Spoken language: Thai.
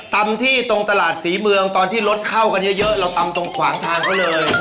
ตำที่ตรงตลาดศรีเมืองตอนที่รถเข้ากันเยอะเราตำตรงขวางทางเขาเลย